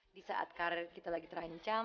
di saat karir kita lagi terancam